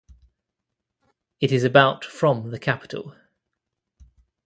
It is about from the capital.